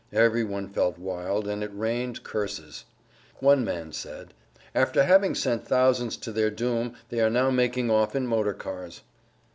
Every one felt wild, and it rained curses. One man said, "After having sent thousands to their doom they are now making off in motorcars."